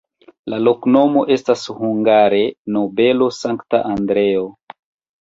La loknomo estas hungare: nobelo-Sankta Andreo.